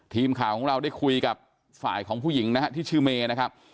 ทีมข่าวของเราได้คุยกับฝ่ายของผู้หญิงนะฮะที่ชื่อเมย์นะครับ